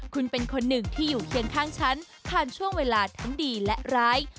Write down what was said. คุณเป็นคนหนึ่งที่อยู่เคียงข้างฉันผ่านช่วงเวลาทั้งดีและร้าย